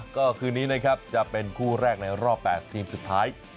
ก็คืนนี้นะครับจะเป็นคู่แรกในรอบ๘ทีมสุดท้าย